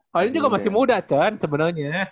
kalau ini juga masih muda cen sebenarnya